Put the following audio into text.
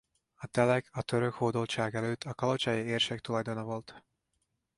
A telek a török hódoltság előtt a kalocsai érsek tulajdona volt.